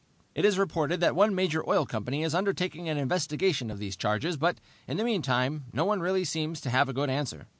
It is reported that one major oil company is undertaking an investigation of these charges, but, in the meantime, no one really seems to have a good answer.